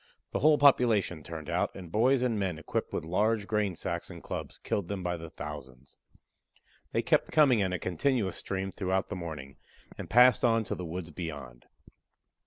The whole population turned out, and boys and men equipped with large grain sacks and clubs killed them by thousands. They kept coming in a continuous stream throughout the morning, and passed on to the woods beyond.